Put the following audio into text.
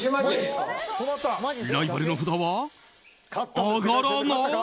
ライバルの札は、上がらない。